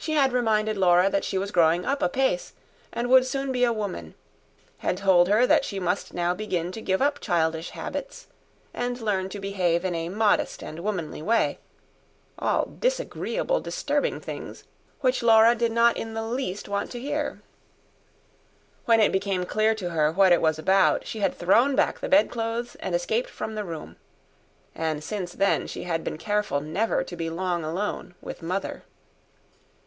She had reminded Laura that she was growing up apace and would soon be a woman; had told her that she must now begin to give up childish habits, and learn to behave in a modest and womanly way all disagreeable, disturbing things, which Laura did not in the least want to hear. When it became clear to her what it was about, she had thrown back the bedclothes and escaped from the room. And since then she had been careful never to be long alone with Mother.